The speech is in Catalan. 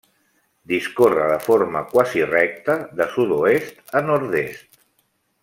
Discorre de forma quasi recta de sud-oest a nord-est.